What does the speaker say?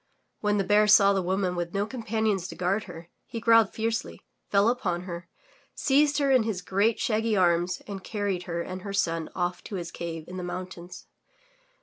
When the Bear saw the woman with no companions to guard her, he growled fiercely, fell upon her, seized her in his great, shaggy arms and carried her and her son off to his cave in the mountains.